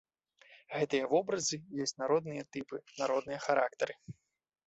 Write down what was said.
Гэтыя вобразы ёсць народныя тыпы, народныя характары.